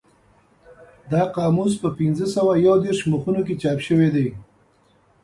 دا قاموس په پینځه سوه یو دېرش مخونو کې چاپ شوی دی.